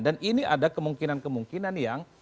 dan ini ada kemungkinan kemungkinan yang